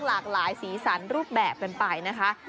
หลากหลายสีสันรูปแบบกันไปนะคะ